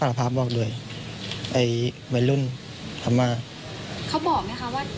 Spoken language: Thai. โดนรอกโดนรอกชัย